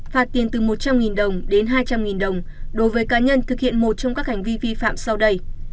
phạt tiền từ một trăm linh đồng đến hai trăm linh đồng đối với cá nhân thực hiện một trong các hành vi vi phạm sau đây